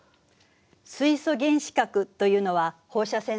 水素原子核というのは放射線の一種ね。